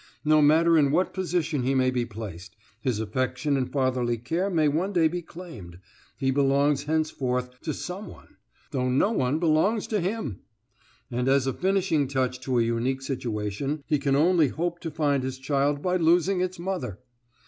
No matter in what position he may be placed, his affection and fatherly care may one day be claimed he belongs henceforth to some one, though no one belongs to him! And as a finishing touch to a unique situation, he can only hope to find his child by losing its mother!